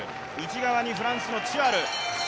内側にフランスのチュアル。